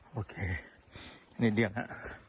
อ้าวโอเคนิดเดียวนะ